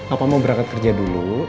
apa mau berangkat kerja dulu